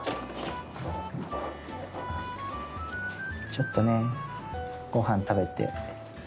ちょっとねごはん食べて。